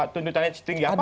tuntutannya setinggi apapun